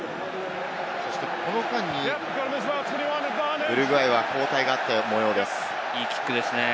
そして、この間にウルグアイは交代があった模様です。